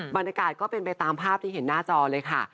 บรรยากาศก็เป็นไปตามภาพที่เห็นหน้าจอเลยค่ะ